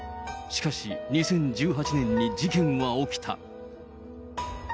しかし２０１８年に事件は起きた。